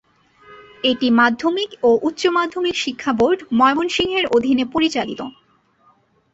এটি মাধ্যমিক ও উচ্চ মাধ্যমিক শিক্ষা বোর্ড, ময়মনসিংহ এর অধীনে পরিচালিত।